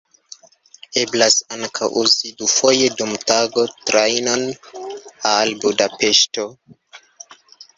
Eblas ankaŭ uzi dufoje dum tago trajnon al Budapeŝto.